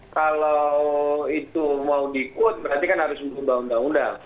kalau itu mau diikut berarti kan harus mengubah undang undang